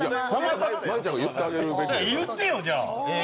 言ってよ、じゃあ。